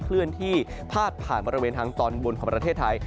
เคลื่อนที่พาดผ่านบริเวณทางตอนบนของประเทศไทย